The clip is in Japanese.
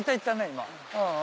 今。